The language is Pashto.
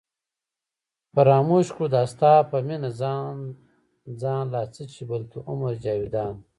فراموش کړو دا ستا په مینه ځان ځان لا څه چې بلکې عمر جاوېدان